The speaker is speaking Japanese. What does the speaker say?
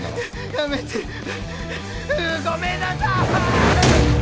やめてううごめんなさい！